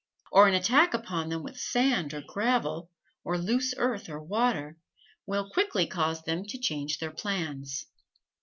Or an attack upon them with sand or gravel, or loose earth or water, will quickly cause them to change their plans.